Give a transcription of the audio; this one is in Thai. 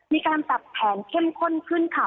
มีการปรับแผนเข้มข้นขึ้นค่ะ